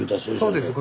そうです。